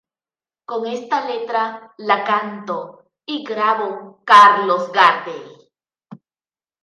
Con esta letra la cantó y grabó Carlos Gardel.